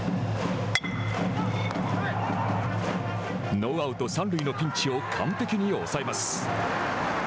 ノーアウト、三塁のピンチを完璧に抑えます。